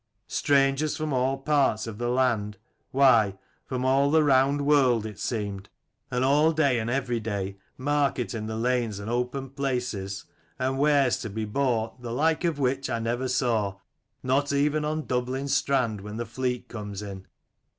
Strangers from all parts of the land ; why, from all the round world it seemed. And all day and every day market in the lanes and open places, and wares to be bought the like of which I never saw, not even on Dublin strand when the fleet comes in.